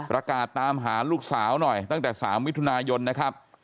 ประกาศตามหาลูกสาวหน่อยตั้งแต่๓มิถุนายนนะครับ